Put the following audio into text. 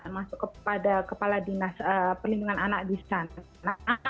termasuk kepada kepala dinas perlindungan anak di santana